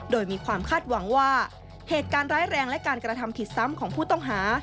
โดยมีความคาดหวังว่าเหตุการณ์ร้ายแรงและการกระทำผิดซ้ำของผู้ต้องหา